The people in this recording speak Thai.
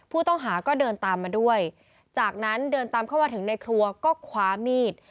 ผู้ต้องหาก็เดินตามมาด้วยจากนั้นเดินตามเข้ามาถึงในครัวก็คว้ามีด